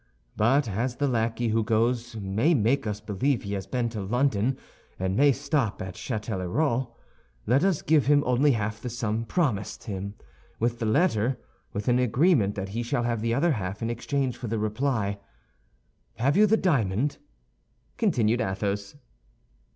But as the lackey who goes may make us believe he has been to London and may stop at Châtellerault, let us give him only half the sum promised him, with the letter, with an agreement that he shall have the other half in exchange for the reply. Have you the diamond?" continued Athos.